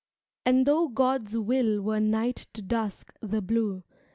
And though God's will were night to dusk the blue.